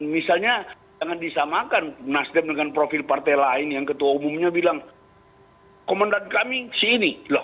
misalnya jangan disamakan nasdem dengan profil partai lain yang ketua umumnya bilang komandan kami si ini